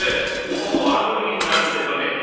もう明くる日になるってえとね